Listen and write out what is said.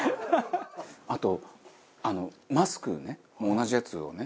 あとマスクをね同じやつをね